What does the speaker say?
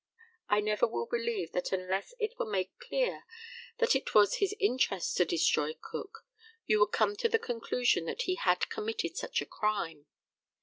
I never will believe that unless it were made clear that it was his interest to destroy Cook, you would come to the conclusion that he had committed such a crime.